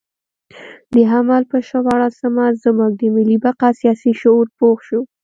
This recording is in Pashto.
د حمل پر شپاړلسمه زموږ د ملي بقا سیاسي شعور پوخ شو.